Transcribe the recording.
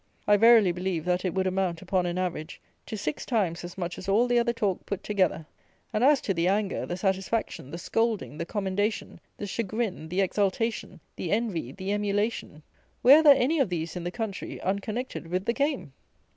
I verily believe that it would amount, upon an average, to six times as much as all the other talk put together; and, as to the anger, the satisfaction, the scolding, the commendation, the chagrin, the exultation, the envy, the emulation, where are there any of these in the country, unconnected with the game?